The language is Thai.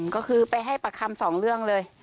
ก็คือไปให้ปากคำสองเรื่องเลย